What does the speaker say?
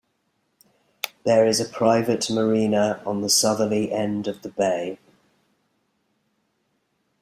There is a private marina on the southerly end of the bay.